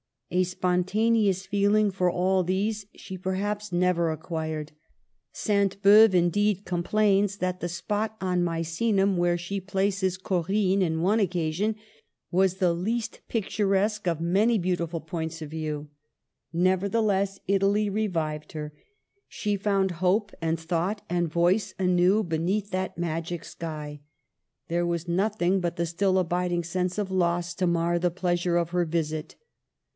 A sponta neous feeling for all these she perhaps never Digitized by VjOOQIC 144 MADAME DE STAEL acquired. Ste. Beuve, indeed, complains that the spot on Misenum where she places Corinne on one occasion, was the least picturesque of many beautiful points of view. Nevertheless, Italy revived her. She found hope and thought and, voice anew beneath that magic sky. There was nothing but the still abiding sense of loss to mar the pleasure of her visit.